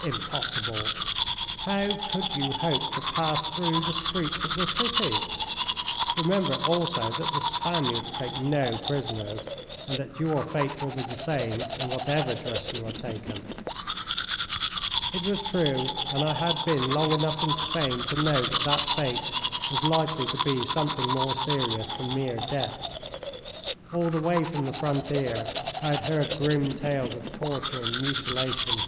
"Impossible! How could you hope to pass through the streets of the city? Remember, also, that the Spaniards take no prisoners, and that your fate will be the same in whatever dress you are taken." It was true, and I had been long enough in Spain to know that that fate was likely to be something more serious than mere death. All the way from the frontier I had heard grim tales of torture and mutilation.